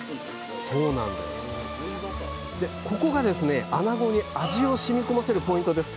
ここがあなごに味をしみ込ませるポイントです！